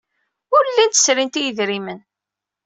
Ur llint srint i yedrimen.